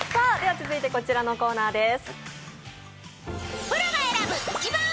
続いてこちらのコーナーです。